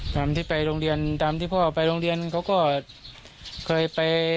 ตามที่ไปโรงเรียนตามที่พ่อไปโรงเรียนเขาก็เคยไป